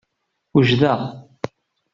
Wejdeɣ.